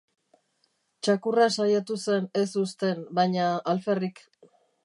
Txakurra saiatu zen ez uzten, baina alferrik.